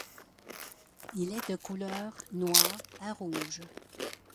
Il est de couleur noire à rouge.